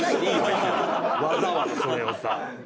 別にわざわざそれをさ。